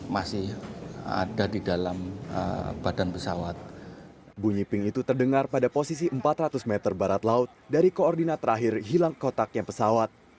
pertama pesawat lion air jt enam ratus sepuluh pklk mendengar pada posisi empat ratus meter barat laut dari koordinat terakhir hilang kotaknya pesawat